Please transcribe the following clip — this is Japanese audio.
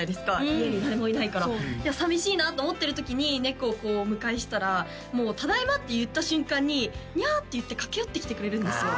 家に誰もいないから寂しいなと思ってる時に猫をこうお迎えしたらもう「ただいま」って言った瞬間に「ニャー」って言って駆け寄ってきてくれるんですよ